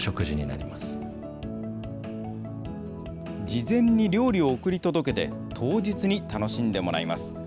事前に料理を送り届けて、当日に楽しんでもらいます。